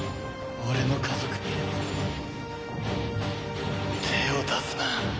俺の家族に手を出すな！